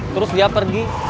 terus dia pergi